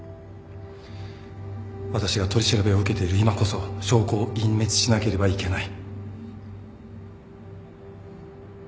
私が取り調べを受けている今こそ証拠を隠滅しなければいけない。